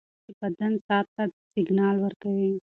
سهارنۍ د بدن ساعت ته سیګنال ورکوي.